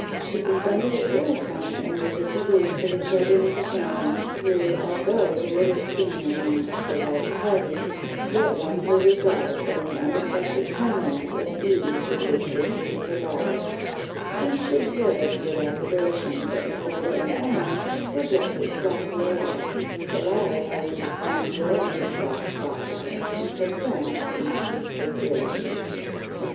She descended at dinner time, and was introduced to the children of the family, who, although little seen among so large a party, yet won her regard, from the unaffected kindness and ease with which they treated her daughter; and she observed, with approbation, that Matilda and Ellen were dressed exactly alike; the latter having declined wearing the frock bought for her, since her friend's could not be procured. Mrs.